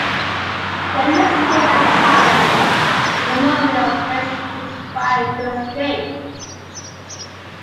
"Diane" is killed by "Collins" in a moment of rage after trying to escape.